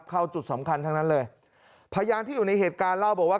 เข้าจุดสำคัญทั้งนั้นเลยพยานที่อยู่ในเหตุการณ์เล่าบอกว่า